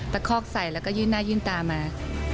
คอกใส่แล้วก็ยื่นหน้ายื่นตามา